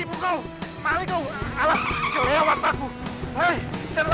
itu cuma perumpamaan tati